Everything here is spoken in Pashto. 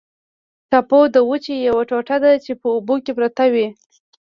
ټاپو د وچې یوه ټوټه ده چې په اوبو کې پرته وي.